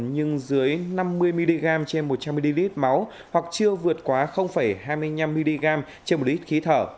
nhưng dưới năm mươi mg trên một trăm linh ml máu hoặc chưa vượt quá hai mươi năm mg trên một lít khí thở